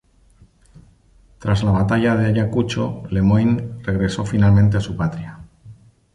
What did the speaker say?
Tras la batalla de Ayacucho Lemoine regresó finalmente a su patria.